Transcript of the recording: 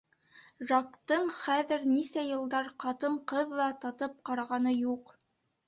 Жактың хәҙер нисә йылдар ҡатын-ҡыҙ ҙа татып ҡарағаны юҡ.